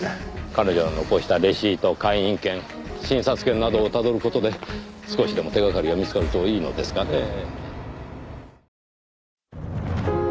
彼女の残したレシート会員券診察券などをたどる事で少しでも手掛かりが見つかるといいのですがねぇ。